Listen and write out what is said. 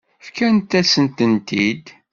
Fkant-asen-tent-id.